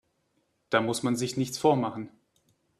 Da muss man sich nichts vormachen.